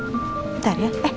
bentar ya eh